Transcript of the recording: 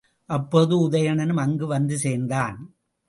அப்போது உதயணனும் அங்கே வந்து சேர்ந்தான்.